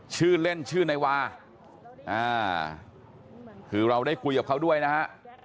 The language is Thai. ชื่อเล่นชื่อนายวาอ่าคือเราได้คุยกับเขาด้วยนะฮะ